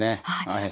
はい。